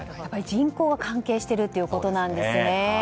人口が関係しているということなんですね。